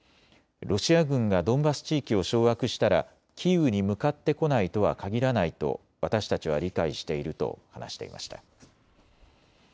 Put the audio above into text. ロシア軍がドンバス地域を掌握したらキーウに向かってこないとは限らないと私たちは理解していると話していました。